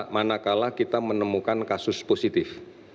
manakala kita menemukan kasus positif